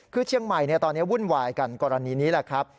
คือเชียงใหม่ตอนนี้วุ่นวายกันกรณีนี้แหละครับ